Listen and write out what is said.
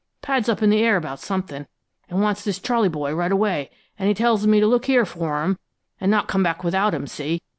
Pad's up in the air about something, and wants this Charley boy right away, and he tells me to look here for him and not come back without him, see?